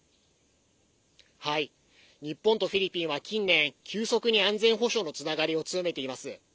日本とフィリピンは近年急速に安全保障のつながりを強めています。